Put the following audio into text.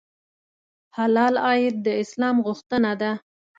حلال عاید د اسلام غوښتنه ده.